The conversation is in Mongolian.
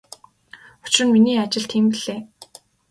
Учир нь миний ажил тийм билээ.